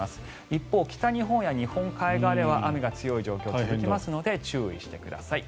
一方、北日本や日本海側では雨が強い状況が続きますので注意してください。